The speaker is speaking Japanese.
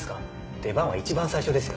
出番は一番最初ですよ？